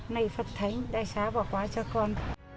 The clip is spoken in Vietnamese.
này phật thánh đại sá bỏ qua cho con